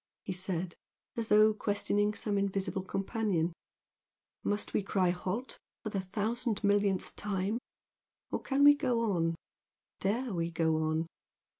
he said, as though questioning some invisible companion; "Must we cry 'halt!' for the thousand millionth time? Or can we go on? Dare we go on?